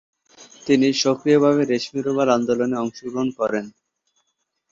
তিনি সক্রিয়ভাবে রেশমি রুমাল আন্দোলনে অংশগ্রহণ করেন।